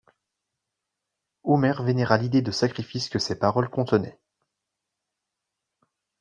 Omer vénéra l'idée de sacrifice que ces paroles contenaient.